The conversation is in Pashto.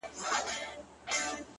اشنا په دې چلو دي وپوهېدم.!